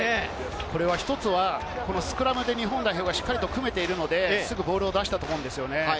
スクラムで日本代表がしっかり組めているので、すぐボールを出したと思うんです。